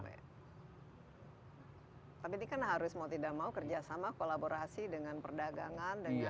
tapi ini kan harus mau tidak mau kerjasama kolaborasi dengan perdagangan